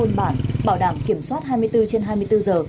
thôn bản bảo đảm kiểm soát hai mươi bốn trên hai mươi bốn giờ